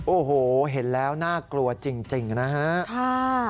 โอ้โหเห็นแล้วน่ากลัวจริงนะฮะ